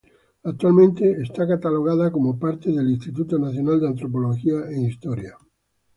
Actualmente está catalogada como por parte del Instituto Nacional de Antropología e Historia.